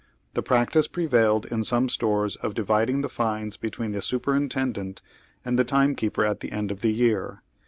The practice prevailed in some stores of dividing the fines between the superintendent and the time keeper at the end of the year.